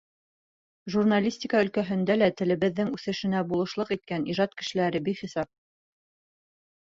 Журналистика өлкәһендә лә телебеҙҙең үҫешенә булышлыҡ иткән ижад кешеләре бихисап.